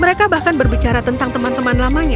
mereka bahkan berbicara tentang teman teman lamanya